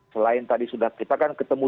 selain tadi sudah kita kan ketemu